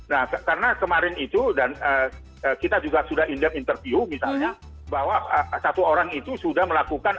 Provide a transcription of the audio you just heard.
nah karena kemarin itu dan kita juga sudah interview misalnya bahwa satu orang itu sudah melakukan